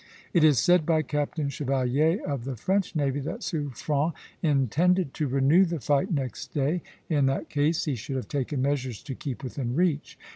It is said by Captain Chevalier, of the French navy, that Suffren intended to renew the fight next day. In that case he should have taken measures to keep within reach.